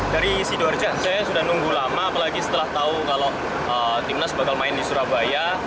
dari sidoarjo saya sudah nunggu lama apalagi setelah tahu kalau timnas bakal main di surabaya